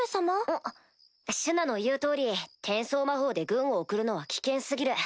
あシュナの言う通り転送魔法で軍を送るのは危険過ぎる。